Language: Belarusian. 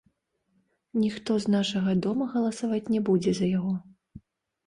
Ніхто з нашага дома галасаваць не будзе за яго.